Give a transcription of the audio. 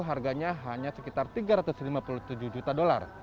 harganya hanya sekitar tiga ratus lima puluh tujuh juta dolar